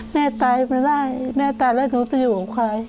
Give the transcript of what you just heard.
แม่ตายไม่ได้แม่ตายแล้วหนูจะอยู่กับใคร